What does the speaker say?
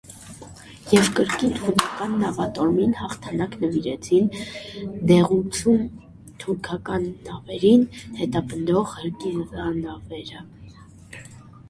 Եվ կրկին հունական նավատորմին հաղթանակ նվիրեցին նեղուցում թուրքական նավերին հետապնդող հրկիզանավերը։